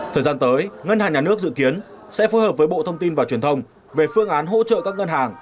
thời gian tới ngân hàng nhà nước dự kiến sẽ phối hợp với bộ thông tin và truyền thông về phương án hỗ trợ các ngân hàng